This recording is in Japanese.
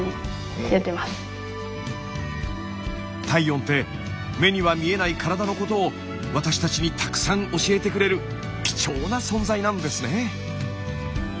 体温って目には見えない体のことを私たちにたくさん教えてくれる貴重な存在なんですね。